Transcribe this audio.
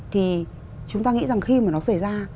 thì chúng ta nghĩ rằng khi mà nó xảy ra